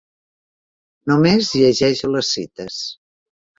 Només llegeixo les cites.